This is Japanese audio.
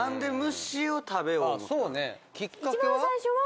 きっかけは？